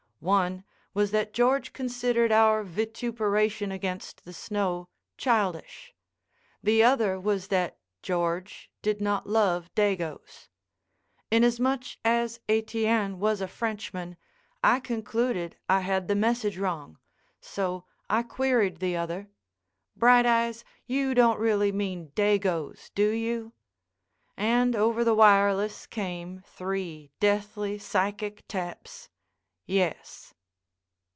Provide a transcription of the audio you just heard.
One was that George considered our vituperation against the snow childish; the other was that George did not love Dagoes. Inasmuch as Etienne was a Frenchman, I concluded I had the message wrong. So I queried the other: "Bright eyes, you don't really mean Dagoes, do you?" and over the wireless came three deathly, psychic taps: "Yes."